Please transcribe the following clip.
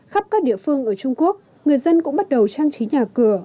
khắp các địa phương ở trung quốc người dân cũng bắt đầu trang trí nhà cửa